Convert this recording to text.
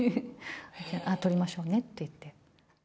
あ、撮りましょうねって言って。